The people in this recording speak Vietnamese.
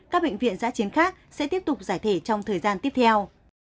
các bệnh viện giã chiến khác sẽ tiếp tục giải thể trong thời gian tiếp theo